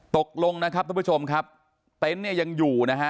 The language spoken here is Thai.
ตกลงนะครับทุกผู้ชมครับเต็นต์เนี่ยยังอยู่นะฮะ